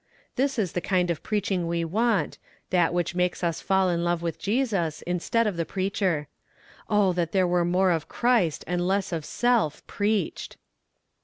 This is the kind of preaching we want that which makes us fall in love with Jesus, instead of the preacher. Oh, that there were more of Christ, and less of self, preached.